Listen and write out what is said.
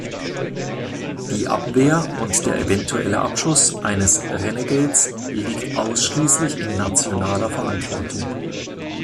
Die Abwehr und der eventuelle Abschuss eines Renegades liegt ausschließlich in nationaler Verantwortung.